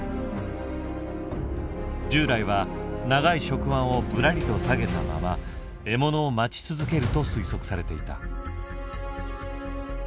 従来は長い触腕をぶらりと下げたまま獲物を待ち続けると推測されていた。